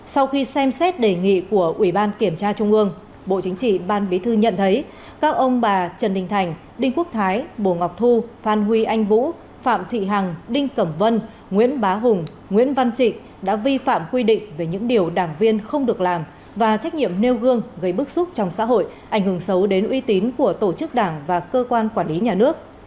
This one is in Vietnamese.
sau khi xem xét đề nghị của uỷ ban kiểm tra trung ương bộ chính trị ban bí thư nhận thấy các ông bà trần đình thành đinh quốc thái bồ ngọc thu phan huy anh vũ phạm thị hằng đinh cẩm vân nguyễn bá hùng nguyễn văn trịnh đã vi phạm quy định về những điều đảng viên không được làm và trách nhiệm nêu gương gây bức xúc trong xã hội ảnh hưởng xấu đến uy tín của tổ chức đảng và cơ quan quản lý nhà nước